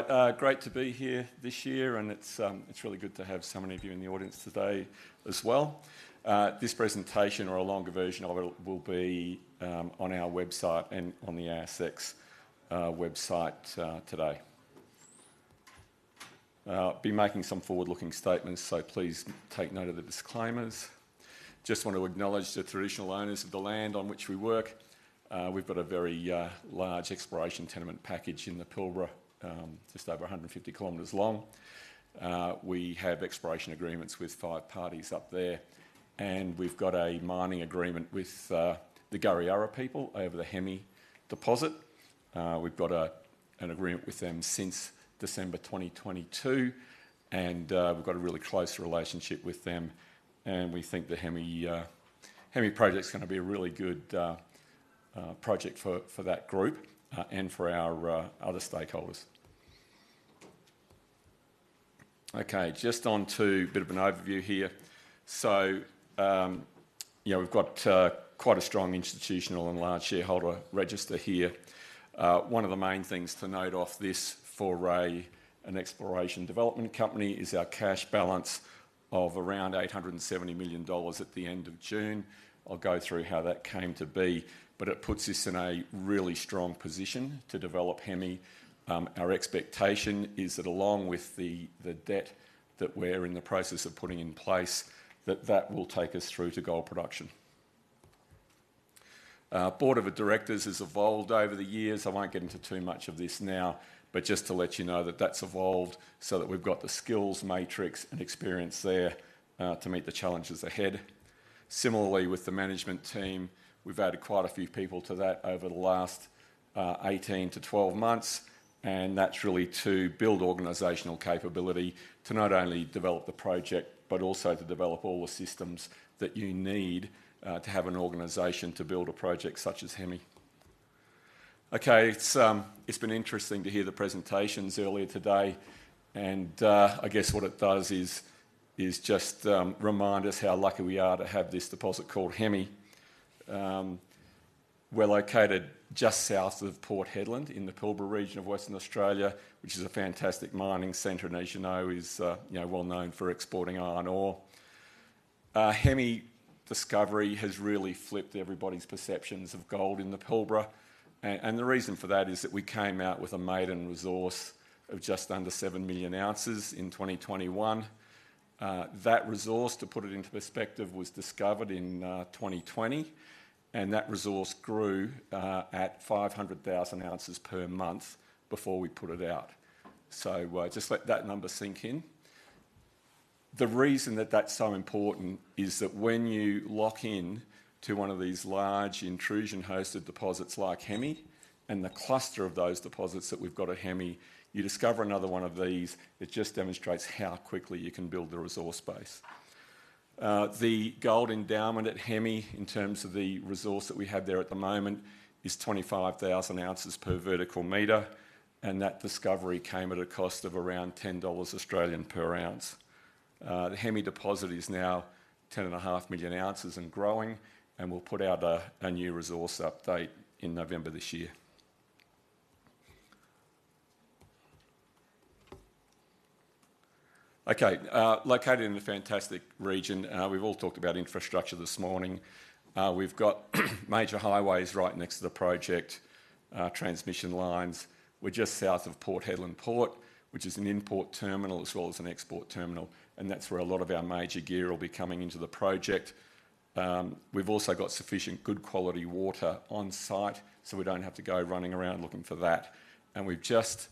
All right, great to be here this year, and it's really good to have so many of you in the audience today as well. This presentation, or a longer version of it, will be on our website and on the ASX website today. I'll be making some forward-looking statements, so please take note of the disclaimers. Just want to acknowledge the traditional owners of the land on which we work. We've got a very large exploration tenement package in the Pilbara, just over a 150 km long. We have exploration agreements with five parties up there, and we've got a mining agreement with the Kariyarra people over the Hemi deposit. We've got an agreement with them since December 2022, and we've got a really close relationship with them, and we think the Hemi project's gonna be a really good project for that group and for our other stakeholders. Okay, just on to a bit of an overview here. So, you know, we've got quite a strong institutional and large shareholder register here. One of the main things to note for this, an exploration development company, is our cash balance of around 870 million dollars at the end of June. I'll go through how that came to be, but it puts us in a really strong position to develop Hemi. Our expectation is that along with the debt that we're in the process of putting in place, that will take us through to gold production. Our board of directors has evolved over the years. I won't get into too much of this now, but just to let you know that that's evolved so that we've got the skills, matrix, and experience there to meet the challenges ahead. Similarly, with the management team, we've added quite a few people to that over the last 18-12 months, and that's really to build organizational capability to not only develop the project, but also to develop all the systems that you need to have an organization to build a project such as Hemi. Okay, it's been interesting to hear the presentations earlier today, and I guess what it does is just remind us how lucky we are to have this deposit called Hemi. We're located just south of Port Hedland in the Pilbara region of Western Australia, which is a fantastic mining center, and as you know, is you know well known for exporting iron ore. Hemi discovery has really flipped everybody's perceptions of gold in the Pilbara, and the reason for that is that we came out with a maiden resource of just under seven million ounces in 2021. That resource, to put it into perspective, was discovered in 2020, and that resource grew at five hundred thousand ounces per month before we put it out. So, just let that number sink in. The reason that that's so important is that when you lock in to one of these large intrusion-hosted deposits like Hemi, and the cluster of those deposits that we've got at Hemi, you discover another one of these, it just demonstrates how quickly you can build the resource base. The gold endowment at Hemi, in terms of the resource that we have there at the moment, is 25,000 ounces per vertical meter, and that discovery came at a cost of around 10 Australian dollars per ounce. The Hemi deposit is now 10.5 million ounces and growing, and we'll put out a new resource update in November this year. Okay, located in a fantastic region, and, we've all talked about infrastructure this morning. We've got major highways right next to the project, transmission lines. We're just south of Port Hedland port, which is an import terminal as well as an export terminal, and that's where a lot of our major gear will be coming into the project. We've also got sufficient good quality water on-site, so we don't have to go running around looking for that, and we've just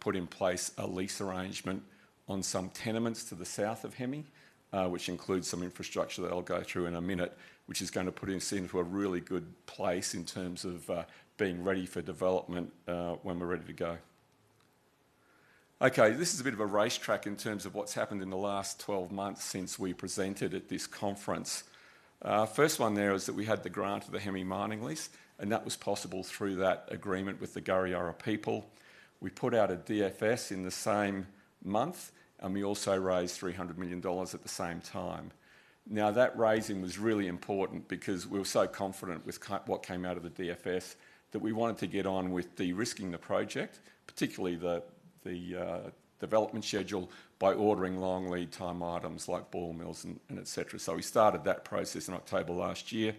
put in place a lease arrangement on some tenements to the south of Hemi, which includes some infrastructure that I'll go through in a minute, which is gonna put us in for a really good place in terms of being ready for development when we're ready to go. Okay, this is a bit of a racetrack in terms of what's happened in the last twelve months since we presented at this conference. First one there is that we had the grant of the Hemi Mining Lease, and that was possible through that agreement with the Kariyarra people. We put out a DFS in the same month, and we also raised 300 million dollars at the same time. Now, that raising was really important because we were so confident with what came out of the DFS, that we wanted to get on with de-risking the project, particularly the development schedule, by ordering long lead time items like ball mills and et cetera. So we started that process in October last year.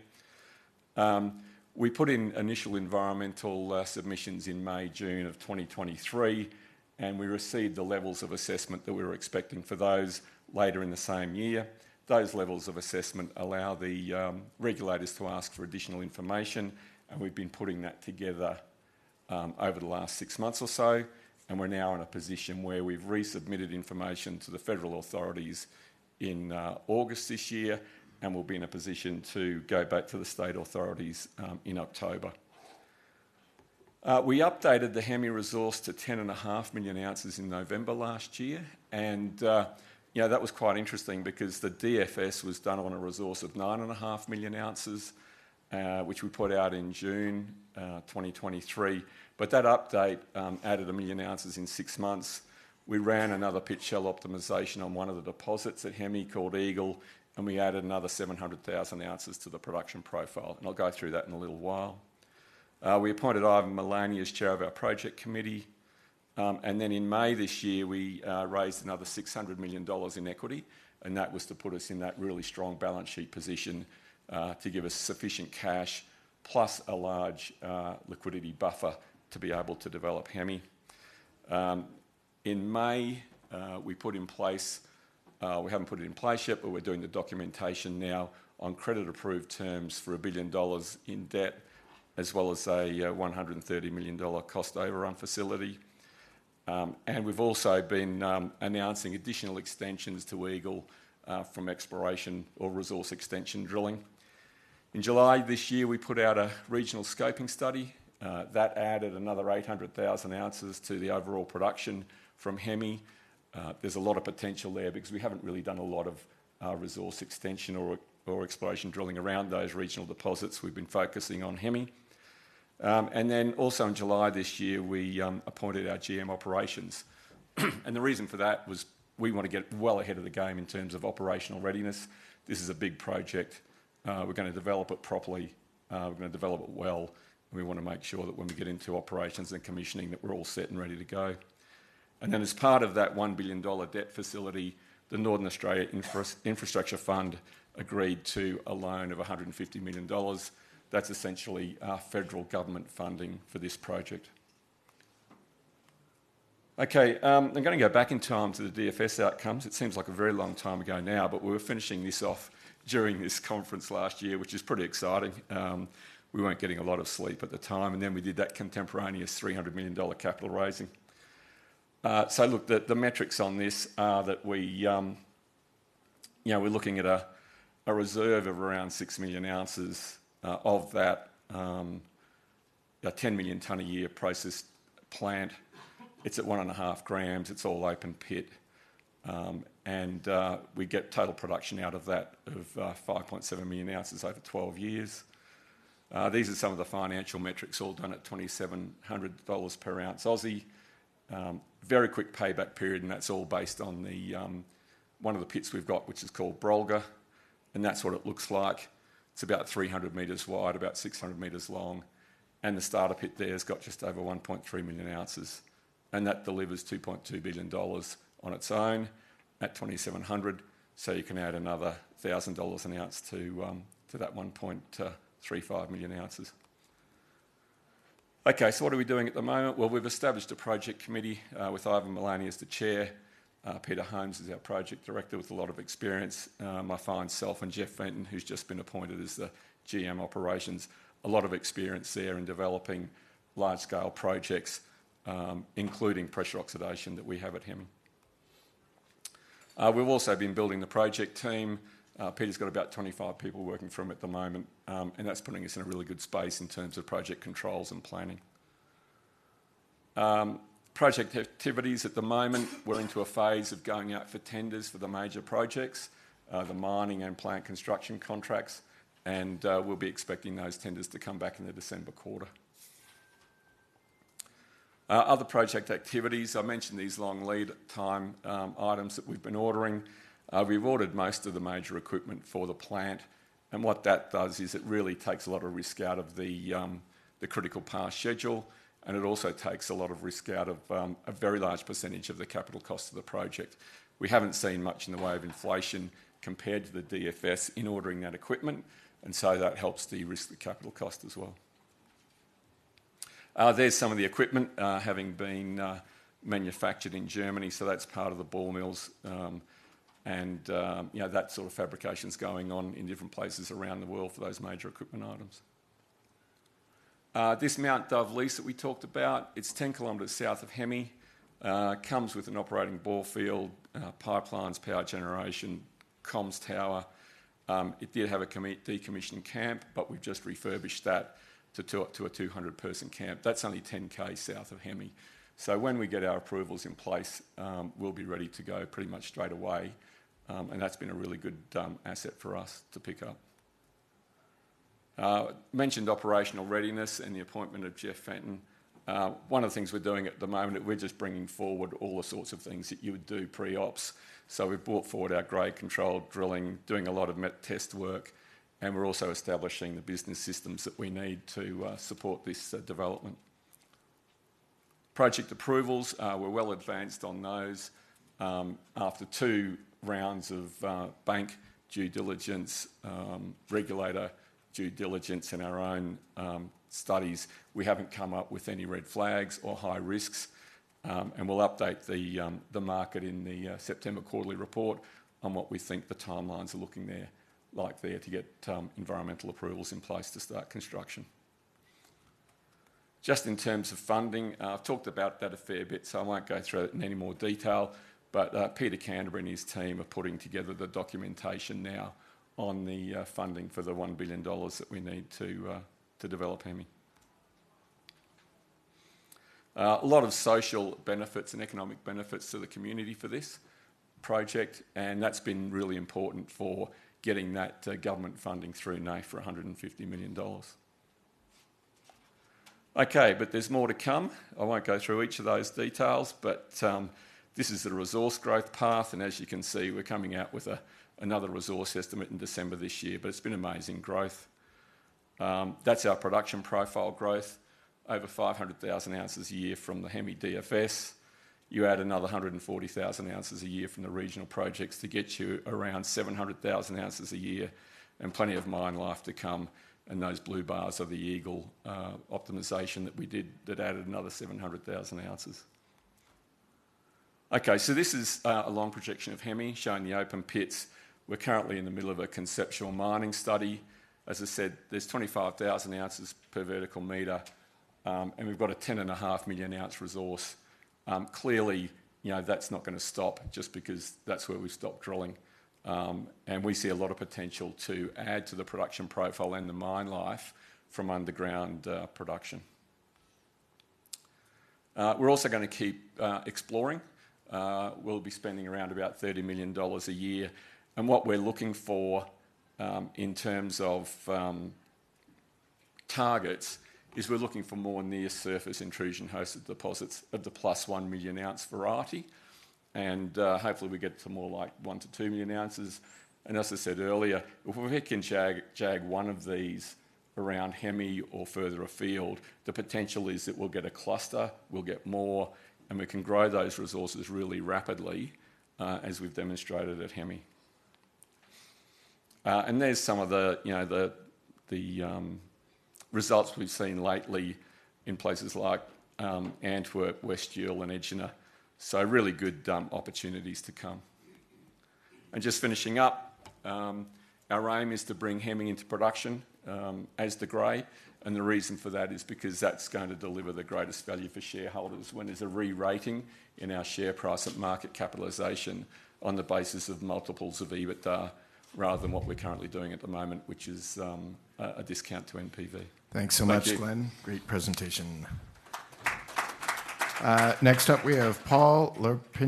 We put in initial environmental submissions in May, June of 2023, and we received the levels of assessment that we were expecting for those later in the same year. Those levels of assessment allow the regulators to ask for additional information, and we've been putting that together over the last six months or so, and we're now in a position where we've resubmitted information to the federal authorities in August this year, and we'll be in a position to go back to the state authorities in October. We updated the Hemi resource to ten and a half million ounces in November last year, and you know, that was quite interesting because the DFS was done on a resource of nine and a half million ounces, which we put out in June 2023. But that update added a million ounces in six months. We ran another pit shell optimization on one of the deposits at Hemi called Eagle, and we added another 700,000 ounces to the production profile, and I'll go through that in a little while. We appointed Ivan Mullany as Chair of our project committee, and then in May this year, we raised another 600 million dollars in equity, and that was to put us in that really strong balance sheet position, to give us sufficient cash, plus a large liquidity buffer to be able to develop Hemi. In May, we haven't put it in place yet, but we're doing the documentation now on credit-approved terms for 1 billion dollars in debt, as well as a 130 million dollar cost overrun facility. And we've also been announcing additional extensions to Eagle from exploration or resource extension drilling. In July this year, we put out a regional scoping study that added another 800,000 ounces to the overall production from Hemi. There's a lot of potential there because we haven't really done a lot of resource extension or exploration drilling around those regional deposits. We've been focusing on Hemi. And then also in July this year, we appointed our GM operations, and the reason for that was we want to get well ahead of the game in terms of operational readiness. This is a big project. We're gonna develop it properly. We're gonna develop it well, and we want to make sure that when we get into operations and commissioning, that we're all set and ready to go. And then, as part of that 1 billion dollar debt facility, the Northern Australia Infrastructure Facility agreed to a loan of 150 million dollars. That's essentially federal government funding for this project. Okay, I'm gonna go back in time to the DFS outcomes. It seems like a very long time ago now, but we were finishing this off during this conference last year, which is pretty exciting. We weren't getting a lot of sleep at the time, and then we did that contemporaneous 300 million dollar capital raising. So look, the metrics on this are that we, you know, we're looking at a reserve of around 6 million ounces. Of that, a 10 million ton a year processed plant. It's at 1.5 g. It's all open pit, and we get total production out of that of 5.7 million ounces over 12 years. These are some of the financial metrics, all done at 2,700 dollars per ounce. Very quick payback period, and that's all based on the one of the pits we've got, which is called Brolga, and that's what it looks like. It's about 300 meters wide, about 600 meters long, and the starter pit there has got just over 1.3 million ounces, and that delivers 2.2 billion dollars on its own at 2,700. So you can add another 1,000 dollars an ounce to that 1.35 million ounces. Okay, so what are we doing at the moment? Well, we've established a project committee with Ivan Melani as the chair. Peter Holmes is our project director with a lot of experience, my fine self, and Jeff Benton, who's just been appointed as the GM Operations. A lot of experience there in developing large-scale projects, including pressure oxidation that we have at Hemi. We've also been building the project team. Peter's got about 25 people working for him at the moment, and that's putting us in a really good space in terms of project controls and planning. Project activities at the moment, we're into a phase of going out for tenders for the major projects, the mining and plant construction contracts, and we'll be expecting those tenders to come back in the December quarter. Other project activities, I mentioned these long lead time items that we've been ordering. We've ordered most of the major equipment for the plant, and what that does is it really takes a lot of risk out of the critical path schedule, and it also takes a lot of risk out of a very large percentage of the capital cost of the project. We haven't seen much in the way of inflation compared to the DFS in ordering that equipment, and so that helps de-risk the capital cost as well. There's some of the equipment having been manufactured in Germany, so that's part of the ball mills. And you know, that sort of fabrication's going on in different places around the world for those major equipment items. This Mount Dove lease that we talked about, it's 10 km south of Hemi, comes with an operating bore field, pipelines, power generation, comms tower. It did have a decommissioned camp, but we've just refurbished that to a 200-person camp. That's only 10 K south of Hemi. When we get our approvals in place, we'll be ready to go pretty much straight away, and that's been a really good asset for us to pick up. Mentioned operational readiness and the appointment of Jeff Fenton. One of the things we're doing at the moment is we're just bringing forward all the sorts of things that you would do pre-ops. So we've brought forward our grade control drilling, doing a lot of met test work, and we're also establishing the business systems that we need to support this development. Project approvals. We're well advanced on those. After two rounds of bank due diligence, regulator due diligence, and our own studies, we haven't come up with any red flags or high risks. And we'll update the market in the September quarterly report on what we think the timelines are looking to get environmental approvals in place to start construction. Just in terms of funding, I've talked about that a fair bit, so I won't go through it in any more detail. But Peter Canterbury and his team are putting together the documentation now on the funding for the 1 billion dollars that we need to develop Hemi. A lot of social benefits and economic benefits to the community for this project, and that's been really important for getting that government funding through NAIF for 150 million dollars. Okay, but there's more to come. I won't go through each of those details, but this is the resource growth path, and as you can see, we're coming out with another resource estimate in December this year, but it's been amazing growth. That's our production profile growth, over 500,000 ounces a year from the Hemi DFS. You add another 140,000 ounces a year from the regional projects to get you around 700,000 ounces a year and plenty of mine life to come, and those blue bars are the Eagle optimization that we did that added another 700,000 ounces. Okay, so this is a long projection of Hemi showing the open pits. We're currently in the middle of a conceptual mining study. As I said, there's 25,000 ounces per vertical meter, and we've got a 10.5 million ounce resource. Clearly, you know, that's not gonna stop just because that's where we've stopped drilling, and we see a lot of potential to add to the production profile and the mine life from underground production. We're also gonna keep exploring. We'll be spending around about 30 million dollars a year, and what we're looking for in terms of targets is we're looking for more near-surface intrusion-hosted deposits of the plus 1 million ounce variety, and hopefully, we get to more like 1-2 million ounces. And as I said earlier, if we can jag, jag one of these around Hemi or further afield, the potential is that we'll get a cluster, we'll get more, and we can grow those resources really rapidly, as we've demonstrated at Hemi. And there's some of the, you know, the results we've seen lately in places like, Antwerp, West Yul, and Egina, so really good opportunities to come. And just finishing up, our aim is to bring Hemi into production, as De Grey, and the reason for that is because that's going to deliver the greatest value for shareholders when there's a re-rating in our share price of market capitalization on the basis of multiples of EBITDA, rather than what we're currently doing at the moment, which is, a discount to NPV. Thanks so much, Glenn. Thank you. Great presentation. Next up, we have Paul LoPresti.